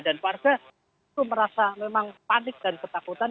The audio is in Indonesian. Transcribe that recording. dan warga itu merasa memang panik dan ketakutan